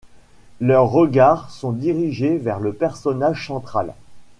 Leurs regards sont dirigés vers le personnage central.